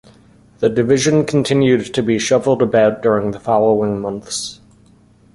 The division continued to be shuffled about during the following months.